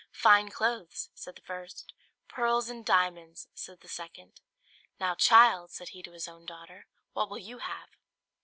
"Fine clothes," said the first: "Pearls and diamonds," said the second. "Now, child," said he to his own daughter, "what will you have?"